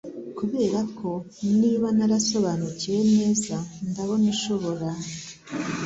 Kuberako niba narasobanukiwe neza ndabona ushobora